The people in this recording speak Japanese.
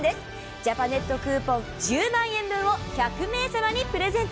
ジャパネットクーポン１０万円分を１００名様にプレゼント。